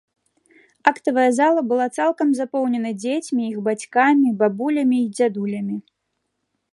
Актавая зала была цалкам запоўнена дзецьмі, іх бацькамі, бабулямі і дзядулямі.